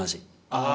あ！